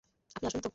আপনি আসবেন তো?